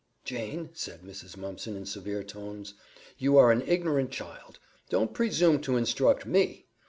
"Jane," said Mrs. Mumpson in severe tones, "you're an ignorant child. Don't presume to instruct ME!